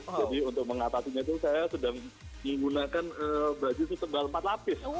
untuk mengatasinya itu saya sedang menggunakan baju setebal empat lapis